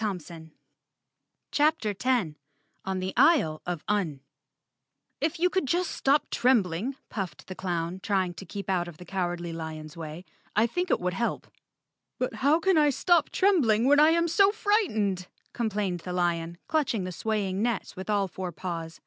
128 CHAPTER 10 On the Isle of Un "TF YOU could just stop trembling," puffed the clown, trying to keep out of the Cowardly lion's way, "I think it would help." "But how can I stop trembling when I am so fright¬ ened," complained the lion, clutching the swaying net with all four paws.